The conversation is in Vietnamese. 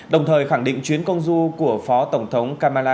đồng thời khẳng định chuyến công du của phó tổng thống kamala